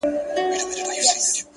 چي تر بیرغ لاندي یې ټول -